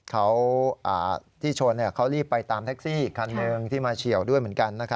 เขาที่ชนเขารีบไปตามแท็กซี่อีกคันหนึ่งที่มาเฉียวด้วยเหมือนกัน